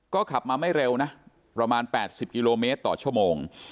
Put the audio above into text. ก็ขับมาไม่เร็วนะประมาณ๘๐กิโลเมตรต่อชั่วโมง